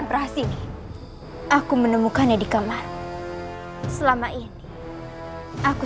berani kau menantangku